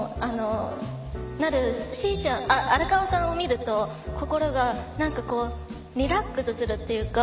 なる、荒川さんを見ると心がリラックスするっていうか